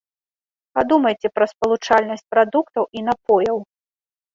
Падумайце пра спалучальнасць прадуктаў і напояў.